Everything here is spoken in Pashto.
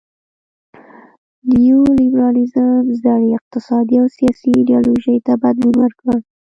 نیو لیبرالیزم زړې اقتصادي او سیاسي ایډیالوژۍ ته بدلون ورکړ.